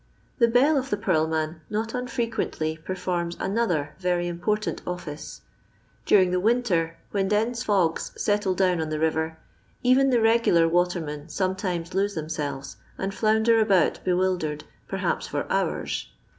The bell of the purl man not unfreqnently per forms another very important office. Daring the winter, when dense fogs settle down on the river, even the regulor watermen sometimes lose them selves, and flounder about bewildered perhaps for hours.